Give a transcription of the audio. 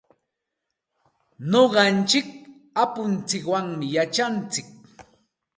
Nuqanchik apuntsikwan yachantsik.